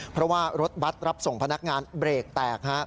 เพราะว่ารถบัตรรับส่งพนักงานเบรกแตก